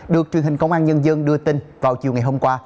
được truyền hình công an nhân dân đưa tin vào chiều ngày hôm qua